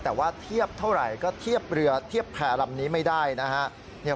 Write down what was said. แต่ว่าเทียบเท่าไหร่ก็เทียบเรือเทียบแพร่ลำนี้ไม่ได้นะฮะ